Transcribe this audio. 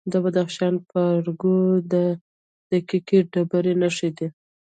د بدخشان په ارګو کې د قیمتي ډبرو نښې دي.